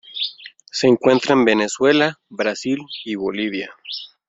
Se encuentra en Venezuela, Brasil y Bolivia.